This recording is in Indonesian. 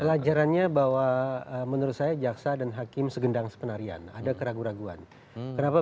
pelajarannya bahwa menurut saya jaksa dan hakim segendang sepenarian ada keraguan keraguan kenapa